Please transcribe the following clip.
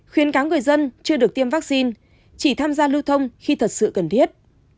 khuyến cáo người dân chưa được tiêm vaccine chỉ tham gia lưu thông khi thật sự cần thiết